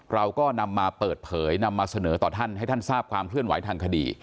เราก็นำมาเปิดเผยนำมาเสนอต่อท่าน